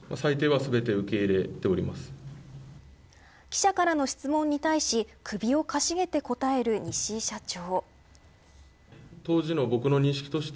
記者からの質問に対し首をかしげて答える西井社長。